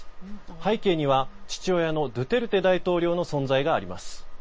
背景には父親のドゥテルテ大統領の存在があります。